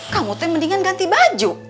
kamu tim mendingan ganti baju